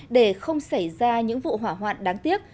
để không xảy ra những vụ hỏa hoạn đáng tiếc